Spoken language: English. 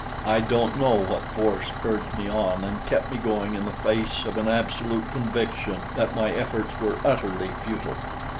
I don't know what force urged me on and kept me going in the face of an absolute conviction that my efforts were utterly futile.